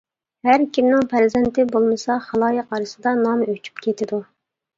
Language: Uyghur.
ھەر كىمنىڭ پەرزەنتى بولمىسا، خالايىق ئارىسىدا نامى ئۆچۈپ كېتىدۇ.